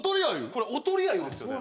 これおとりアユですよね。